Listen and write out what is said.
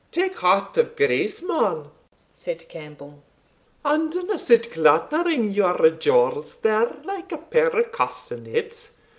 "Take heart of grace, man," said Campbell, "and dinna sit clattering your jaws there like a pair of castanets!